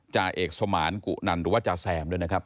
จ่าเอกสมานกุนันหรือว่าจาแซมด้วยนะครับ